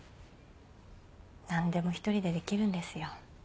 何でも一人でできるんですよ。